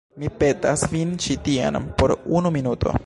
Mi petas vin ĉi tien por unu minuto.